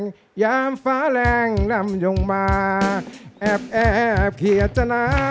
วิมานพี่ลงลืมสัญญาสายัน